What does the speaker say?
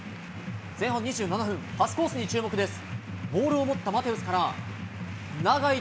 前半２７分、パスコースに注目です。